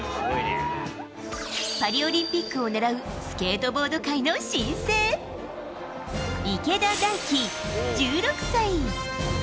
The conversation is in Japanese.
パリオリンピックをねらうスケートボード界の新星、池田大暉１６歳。